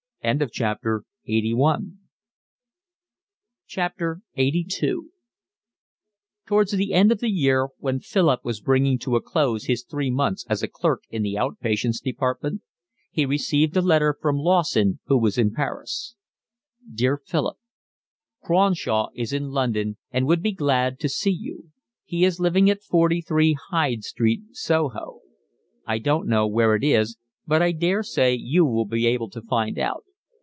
LXXXII Towards the end of the year, when Philip was bringing to a close his three months as clerk in the out patients' department, he received a letter from Lawson, who was in Paris. Dear Philip, Cronshaw is in London and would be glad to see you. He is living at 43 Hyde Street, Soho. I don't know where it is, but I daresay you will be able to find out.